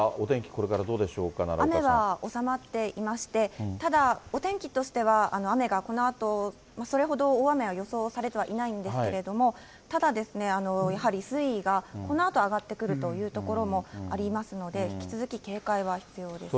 これからどうでしょうか、奈雨は収まっていまして、ただお天気としては、雨がこのあと、それほど大雨は予想されてはいないんですけれども、ただやはり水位がこのあと上がってくるというところもありますので、引き続き警戒は必要です。